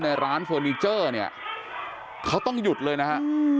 ในร้านเฟอร์นิเจอร์เนี่ยเขาต้องหยุดเลยนะฮะ